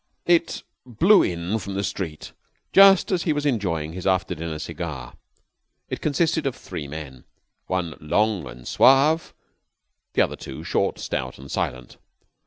It blew in from the street just as he was enjoying his after dinner cigar. It consisted of three men, one long and suave, the other two short, stout, and silent.